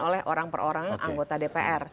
oleh orang per orang anggota dpr